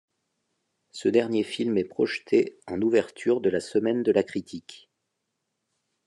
Ce dernier film est projeté en ouverture de La Semaine de la critique.